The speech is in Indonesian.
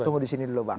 tunggu di sini dulu bang